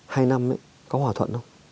hai năm có hòa thuận không